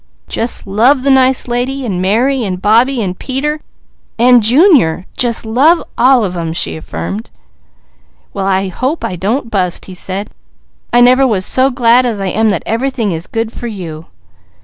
"Jus' love the nice lady, an' Mary, an' Bobbie, an' Peter, an' Junior, jus' love all of them!" she affirmed. "Well I hope I don't bust!" he said. "I never was so glad as I am that everything is good for you."